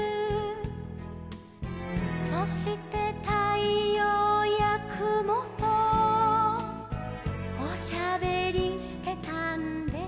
「そしてたいようやくもとおしゃべりしてたんです」